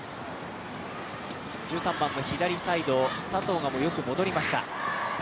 １３番の左サイド、佐藤がよく戻りました。